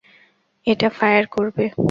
এটা ফায়ার করবে।